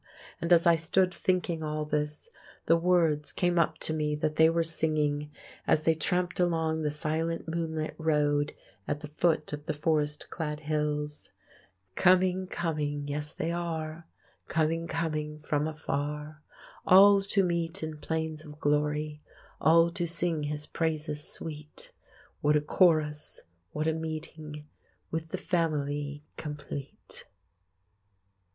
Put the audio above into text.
And as I stood thinking all this, the words came up to me that they were singing, as they tramped along the silent moonlit road, at the foot of the forest clad hills: "Coming, coming, yes, they are, Coming, coming, from afar; All to meet in plains of glory, All to sing His praises sweet: What a chorus, what a meeting, With the family complete!"